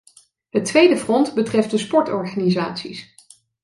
Het tweede front betreft de sportorganisaties.